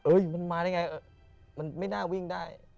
มันมาได้ไงมันไม่น่าวิ่งได้